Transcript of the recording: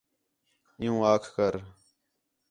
عِیُّوں آکھ کر